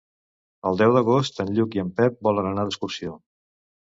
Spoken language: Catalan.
El deu d'agost en Lluc i en Pep volen anar d'excursió.